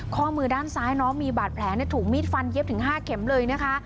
ข้อมือด้านซ้ายน้องมีบาดแผลถูกมีดฟันเย็บถึง๕เข็มเลยนะคะ